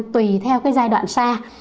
tùy theo cái giai đoạn sa